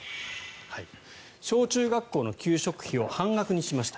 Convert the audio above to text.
小中学校の給食費を半額にしました。